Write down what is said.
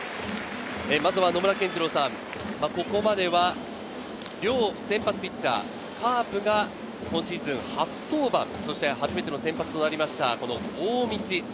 まずは野村さん、ここまでは、両先発ピッチャー、カープが今シーズン初登板、そして初めての先発となりました、大道。